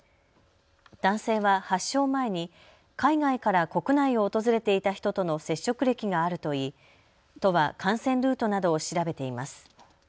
男性は発症前に海外から国内を訪れていた人との接触歴があるといい都は感染ルートなどを調べています。